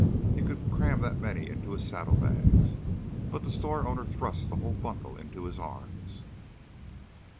He could cram that many into his saddlebags. But the store owner thrust the whole bundle into his arms.